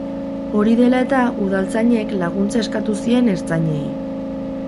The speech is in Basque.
Hori dela eta, udaltzainek laguntza eskatu zien ertzainei.